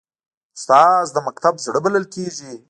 استاد د مکتب زړه بلل کېږي.